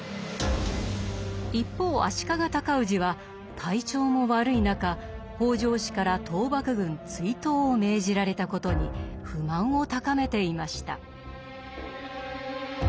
一方足利高氏は体調も悪い中北条氏から討幕軍追討を命じられたことに不満を高めていました。